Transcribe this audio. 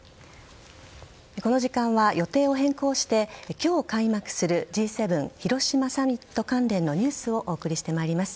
この時間は予定を変更して今日開幕するＧ７広島サミット関連のニュースをお送りしてまいります。